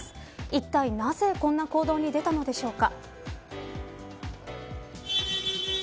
いったい、なぜこんな行動に出たのでしょうか。